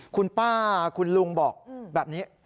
คุณป้าคุณลุงบอกแบบนี้